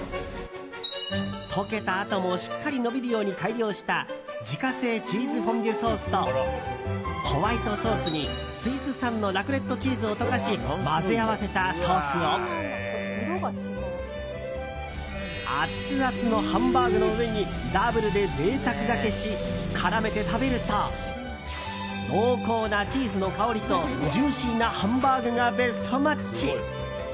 溶けたあともしっかり伸びるように改良した自家製チーズフォンデュソースとホワイトソースにスイス産のラクレットチーズを溶かし混ぜ合わせたソースをアツアツのハンバーグの上にダブルで贅沢がけし絡めて食べると濃厚なチーズの香りとジューシーなハンバーグがベストマッチ。